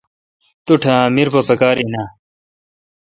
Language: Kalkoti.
تاٹھ اؘ امیر پکار این اؘ۔